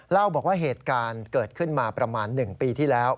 เล่าบอกว่าเหตุการณ์เกิดขึ้นมาประมาณ๑ปีที่แล้ว